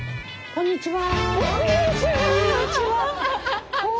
こんにちは！